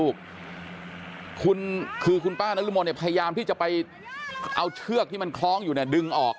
คุณคือคุณป้านักลูกมนต์เนี่ยพยายามที่จะไปเอาเชือกที่มันคล้องอยู่ดึงออก